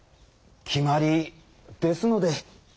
決まりですので。